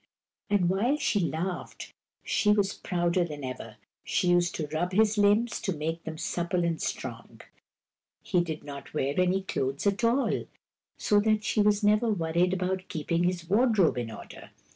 And, while she laughed, she was prouder than ever. She used to rub his limbs to make them supple and strong. He did not wear any KUR BO ROO, THE BEAR 211 clothes at all, so that she was never worried about keeping his wardrobe in order.